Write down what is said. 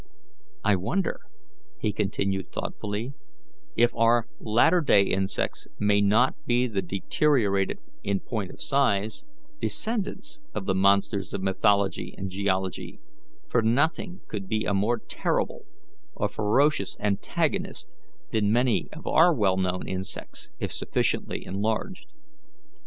I wonder," he continued thoughtfully, "if our latter day insects may not be the deteriorated (in point of size) descendants of the monsters of mythology and geology, for nothing could be a more terrible or ferocious antagonist than many of our well known insects, if sufficiently enlarged.